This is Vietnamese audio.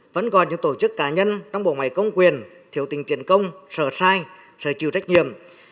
vẫn còn những tổ chức cá nhân trong bộ ngoại công quyền thiếu tình tiện công sợ sai sợ chịu trách nhiệm